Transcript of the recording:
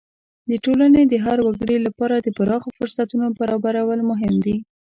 د ټولنې د هر وګړي لپاره د پراخو فرصتونو برابرول مهم دي.